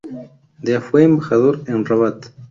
De a fue embajador en Rabat.